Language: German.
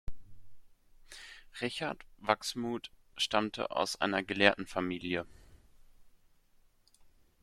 Richard Wachsmuth stammte aus einer Gelehrtenfamilie.